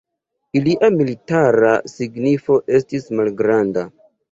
Ilia militara signifo estis malgranda.